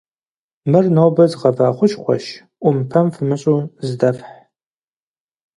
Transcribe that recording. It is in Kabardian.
Мыр нобэ згъэва хущхъуэщ, Ӏумпэм фымыщӀу зыдэфхь.